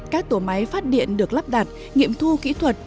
các tổ máy phát điện được lắp đặt nghiệm thu kỹ thuật